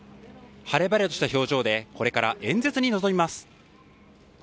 晴れ晴れとした表情でこれから演説に臨みます。